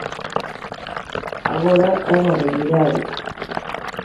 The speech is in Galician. Agora é unha realidade.